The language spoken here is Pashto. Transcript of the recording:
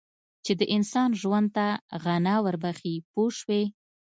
چې د انسان ژوند ته غنا ور بخښي پوه شوې!.